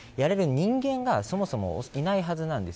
人間がそもそもいないはずなんです。